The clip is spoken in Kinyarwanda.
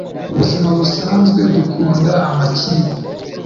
mubuzima busanzwe dukunda amakipe